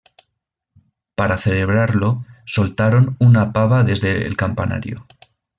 Para celebrarlo, soltaron una pava desde el campanario.